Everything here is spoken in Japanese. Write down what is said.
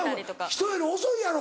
人より遅いやろ。